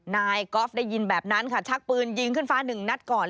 นายกอล์ฟได้ยินแบบนั้นค่ะชักปืนยิงขึ้นฟ้าหนึ่งนัดก่อน